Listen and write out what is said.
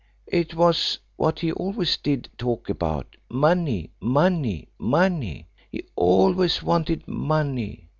It was what he always did talk about money, money, money. He always wanted money.